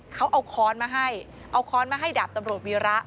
เขาเอาค้อนมาให้เอาค้อนมาให้ดาบตำรวจวีระ